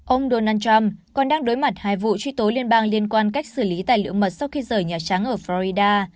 ông donald trump còn đang đối mặt hai vụ truy tố liên bang liên quan cách xử lý tài liệu mật sau khi rời nhà trắng ở florida